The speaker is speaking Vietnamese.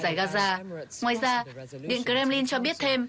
ngoài ra điện kremlin cho biết thêm